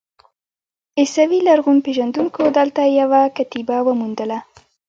عیسوي لرغونپېژندونکو دلته یوه کتیبه وموندله.